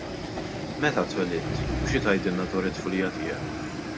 Meta twelidt u xi tgħidilna dwar it-tfulija tiegħek?